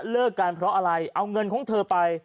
เลิกกันเพราะอะไรเอาเงินของเธอไป